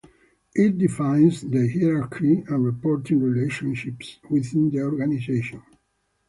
It defines the hierarchy and reporting relationships within the organization.